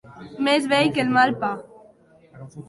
Més vell que el mal pa.